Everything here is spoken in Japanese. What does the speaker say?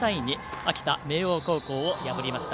秋田・明桜高校を破りました。